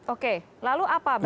oke lalu apa berarti